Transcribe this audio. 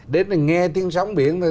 đến đây nghe tiếng sóng biển thôi